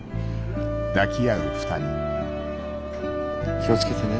気を付けてね。